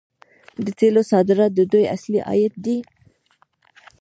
د تیلو صادرات د دوی اصلي عاید دی.